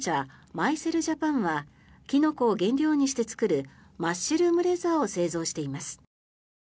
ＭＹＣＬＪａｐａｎはキノコを原料にして作るマッシュルームレザーを製造しています。